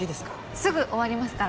すぐ終わりますから。